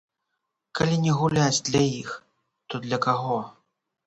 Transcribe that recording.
Калі не гуляць для іх, то для каго?